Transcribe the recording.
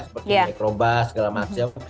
seperti mikrobas segala macam